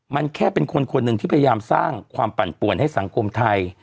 มันแค่เป็นคนคนหนึ่งที่พยายามสร้างความปั่นป่วนให้สังคมไทย